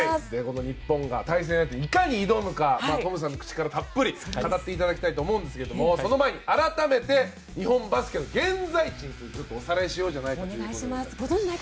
日本が対戦相手にいかに挑むかトムさんの口からたっぷり語っていただきたいと思うんですけれどもその前に改めて日本バスケの現在地をおさらいしようじゃないかと。